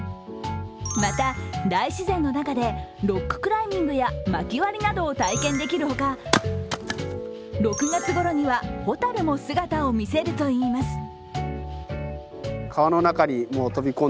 また大自然の中で、ロッククライミングやまき割りなどを体験できるほか、６月ごろには蛍も姿を見せるといいます。